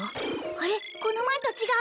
あれこの前と違う